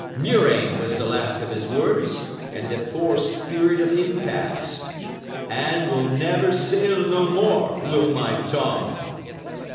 'Murrain' was the last of his words, and the poor spirit of him passed. 'A will never sail no more, will my Tom.'"